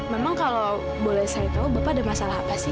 memang kalau boleh saya tahu bapak ada masalah apa sih